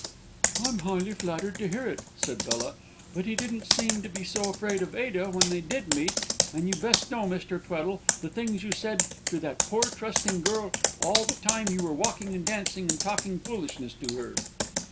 "I'm highly flattered to hear it," said Bella. "But he didn't seem to be so afraid of Ada when they did meet; and you best know, Mr. Tweddle, the things you said to that poor trusting girl all the time you were walking and dancing and talking foolishness to her."